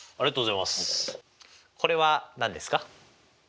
これは何ですか？